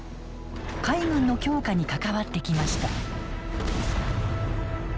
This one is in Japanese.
海軍の強化に関わってきました。